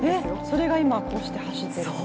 それが今こうして走っている。